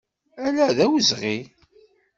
Ala d awezɣi!